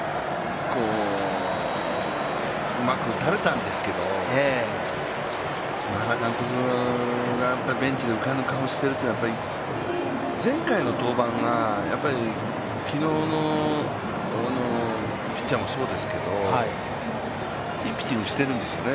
うまく打たれたんですけど、原監督がベンチで浮かぬ顔しているというのは前回の登板が、昨日のピッチャーもそうですけど、いいピッチングしているんですよね。